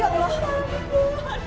ya allah marni